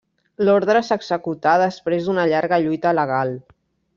L'ordre s'executà després d'una llarga lluita legal.